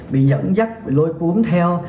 bị dẫn dắt bị lôi cuốn theo